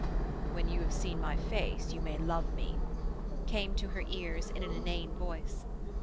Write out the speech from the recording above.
'When you have seen my face, you may love me,' came to her ears in an inane voice.